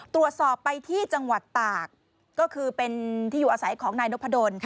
ตรวจสอบไปที่จังหวัดตากก็คือเป็นที่อยู่อาศัยของนายนพดล